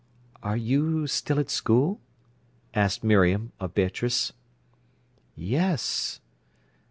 "Are you still at school?" asked Miriam of Beatrice. "Yes."